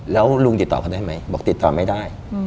แล้วลุงติดต่อเขาได้ไหมบอกติดต่อไม่ได้